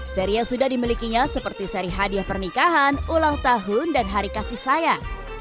seri yang sudah dimilikinya seperti seri hadiah pernikahan ulang tahun dan hari kasih sayang